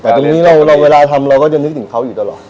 แต่ทีนี้เราเวลาทำเราก็จะนึกถึงเขาอยู่ตลอด